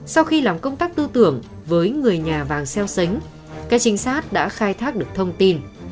sau khi làm công tác tư tưởng với người nhà vàng xeo xánh các trinh sát đã khai thác được thông tin